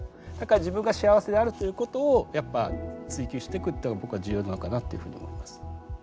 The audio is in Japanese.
だから自分が幸せであるということをやっぱ追求してくっていうのは僕は重要なのかなっていうふうに思います。